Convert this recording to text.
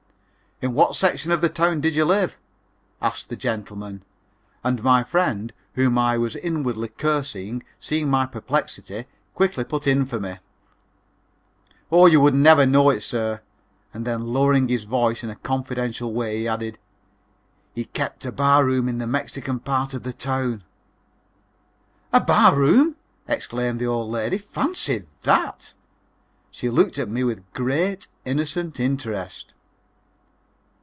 "In what section of the town did you live?" asked the gentleman, and my friend whom I was inwardly cursing, seeing my perplexity, quickly put in for me: "Oh, you would never know it, sir," and then lowering his voice in a confidential way, he added, "he kept a barroom in the Mexican part of the town." "A barroom!" exclaimed the old lady. "Fancy that!" She looked at me with great, innocent interest.